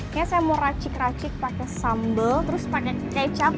kayaknya saya mau racik racik pakai sambal terus pakai kecap